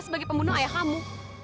sebagai pembunuh ayah kamu